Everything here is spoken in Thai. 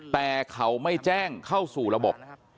แต่เขาไม่แจ้งเข้าสู่ระบบ